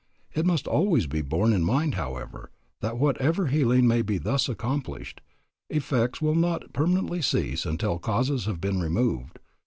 It must always be borne in mind, however, that whatever healing may be thus accomplished, effects will not permanently cease until causes have been removed.